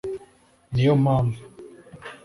ni yo mpamvu